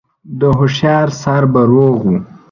د هوښيار سر به روغ و